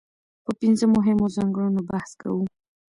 په پنځه مهمو ځانګړنو بحث کوو.